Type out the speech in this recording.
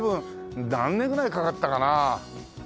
何年ぐらいかかったかな？